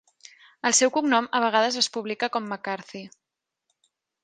El seu cognom a vegades es publica com McCarthy.